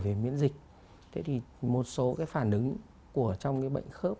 về miễn dịch thế thì một số cái phản ứng của trong cái bệnh khớp